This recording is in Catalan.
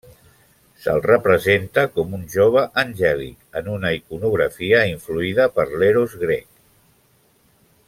Se'l representa com un jove angèlic, en una iconografia influïda per l'Eros grec.